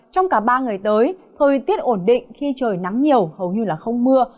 trong cả ba ngày tới thời tiết ổn định khi trời nắng nhiều hầu như không mưa